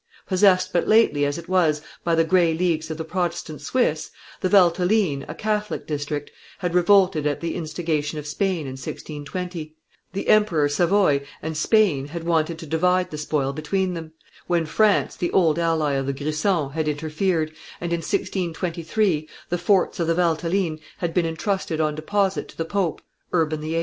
Possessed but lately, as it was, by the Grey Leagues of the Protestant Swiss, the Valteline, a Catholic district, had revolted at the instigation of Spain in 1620; the emperor, Savoy, and Spain had wanted to divide the spoil between them; when France, the old ally of the Grisons, had interfered, and, in 1623, the forts of the Valteline had been intrusted on deposit to the pope, Urban VIII.